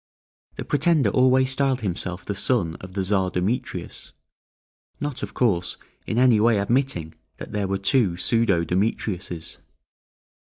The pretender always styled himself the son of the Czar Demetrius; not, of course, in any way admitting that there were two pseudo Demetriuses.